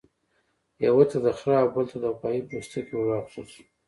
یوه ته د خرۀ او بل ته د غوايي پوستکی ورواغوستل شو.